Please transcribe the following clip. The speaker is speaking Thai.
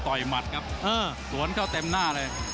ต่อยหมัดครับสวนเข้าเต็มหน้าเลย